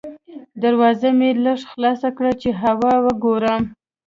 دروازه مې لږه خلاصه کړه چې هوا وګورم.